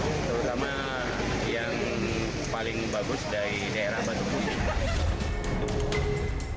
terutama yang paling bagus dari daerah batu putih